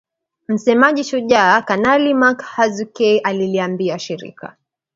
Msemaji Shujaa Kanali Mak Hazukay aliliambia shirika